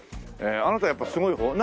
あなたやっぱすごいほう？